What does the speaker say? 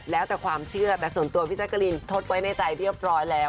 แล้วแต่ความเชื่อแต่ส่วนตัวพี่แจ๊กกะลินทดไว้ในใจเรียบร้อยแล้ว